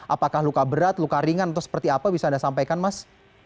apakah luka berat luka ringan atau seperti apa bisa anda sampaikan mas